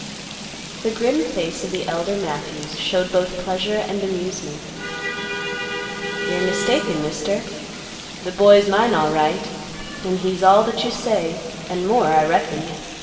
The grim face of the elder Matthews showed both pleasure and amusement. "You're mistaken, Mister; the boy's mine alright, an' he's all that you say, an' more, I reckon.